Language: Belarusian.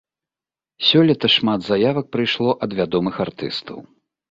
Сёлета шмат заявак прыйшло ад вядомых артыстаў.